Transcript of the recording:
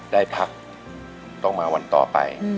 ได้พักต้องมาวันต่อไป